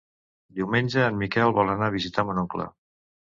Diumenge en Miquel vol anar a visitar mon oncle.